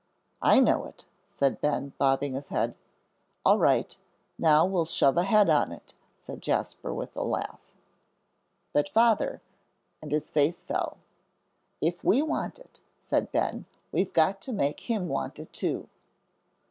"I know it," said Ben, bobbing his head. "All right; now we'll shove ahead on it," said Jasper, with a laugh. "But Father " and his face fell. "If we want it," said Ben, "we've got to make him want it, too."